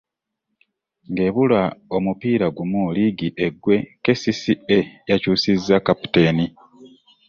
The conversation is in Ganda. Ng'ebula omupiira gumu liigi eggwe KCCA yakyusizza kapiteeni.